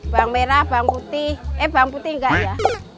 bawang merah bawang putih eh bawang putih enggak ya